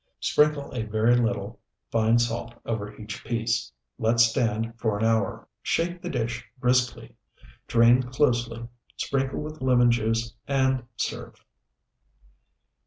Sprinkle a very little fine salt over each piece. Let stand for an hour. Shake the dish briskly, drain closely, sprinkle with lemon juice, and serve.